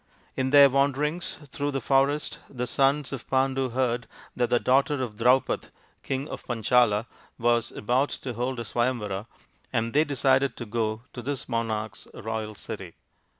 In their wanderings through the forest the sons of Pandu heard that the daughter of Draupad, King of Panchala, was about to hold a Swayamvara, and they decided to go to this monarch's royal city.